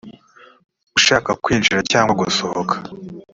ushaka kwinjira cyangwa gusohoka